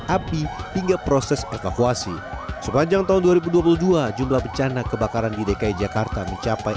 api hingga proses evakuasi sepanjang tahun dua ribu dua puluh dua jumlah bencana kebakaran di dki jakarta mencapai